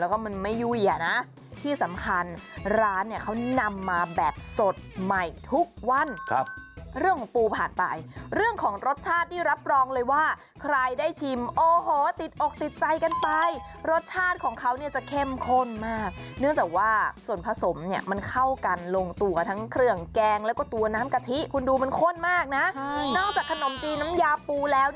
แล้วก็มันไม่ยุ่ยนะที่สำคัญร้านเนี่ยเขานำมาแบบสดใหม่ทุกวันครับเรื่องของปูผ่านไปเรื่องของรสชาตินี่รับรองเลยว่าใครได้ชิมโอ้โหติดอกติดใจกันไปรสชาติของเขาเนี่ยจะเข้มข้นมากเนื่องจากว่าส่วนผสมเนี่ยมันเข้ากันลงตัวทั้งเครื่องแกงแล้วก็ตัวน้ำกะทิคุณดูมันข้นมากนะนอกจากขนมจีนน้ำยาปูแล้ว